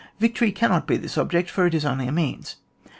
Victory cannot be this object, for it is only a means.